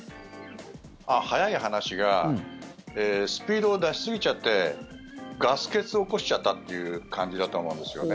早い話がスピードを出しすぎちゃってガス欠を起こしちゃったっていう感じだと思うんですよね。